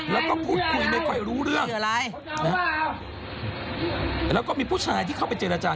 แล้วมีผู้ชายที่เข้าไปเจรจาน